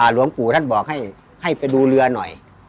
หลวงปู่ท่านบอกให้ไปดูเรือหน่อย